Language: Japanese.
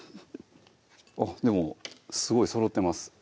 あっでもすごいそろってます